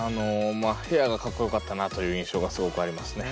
部屋がかっこよかったなという印象がすごくありますね。